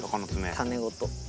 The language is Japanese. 種ごと。